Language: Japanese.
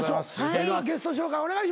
それではゲスト紹介お願いします。